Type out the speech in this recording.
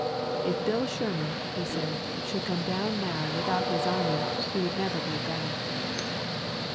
"If Bill Sherman," he said, "should come down now without his army, he would never go back."